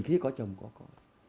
khi có chồng có con